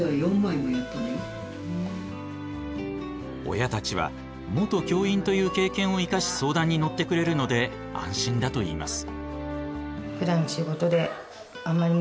親たちは元教員という経験を生かし相談に乗ってくれるので安心だといいます。